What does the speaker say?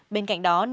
bên cạnh đó